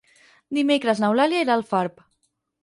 Dimecres n'Eulàlia irà a Alfarb.